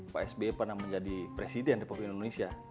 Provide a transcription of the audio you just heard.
pak sby pernah menjadi presiden republik indonesia